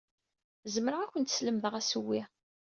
Zemreɣ ad akent-slemdeɣ asewwi.